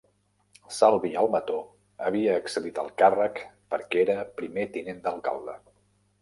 Salvi Almató havia accedit al càrrec perquè era primer tinent d'alcalde.